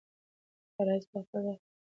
فرایض په خپل وخت او پوره توګه ادا کړه.